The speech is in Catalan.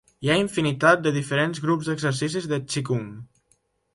Hi ha infinitat de diferents grups d'exercicis de txikung.